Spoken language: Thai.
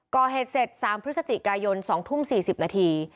ก่อเหตุเสร็จ๓พฤศจิกายน๒ทุ่ม๔๐นาที